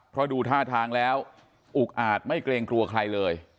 เพราะดูท่าทางแล้วอุกอาจไม่เกรงกลัวใครเลย